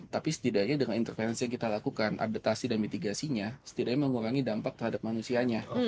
tapi setidaknya dengan intervensi yang kita lakukan adaptasi dan mitigasinya setidaknya mengurangi dampak terhadap manusianya